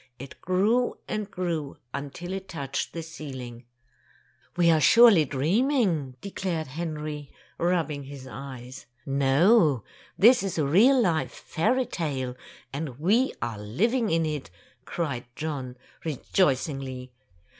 It grew and grew, until it touched the ceiling. "We are surely dreaming," declared Henry, rubbing his eyes. "No, this is a real live fairy tale, and we are living in it," cried John, rejoicingly.